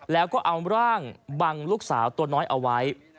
แล้วก็เอาร่างบังลูกสาวตัวน้อยเอาไว้